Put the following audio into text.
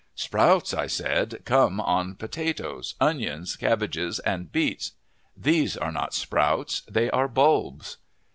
"Sprouts," I said, "come on potatoes, onions, cabbages, and beets. These are not sprouts; they are bulbs!"